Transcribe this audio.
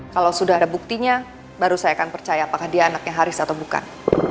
kalau sudah ada buktinya baru saya akan percaya apakah dia anaknya haris atau bukan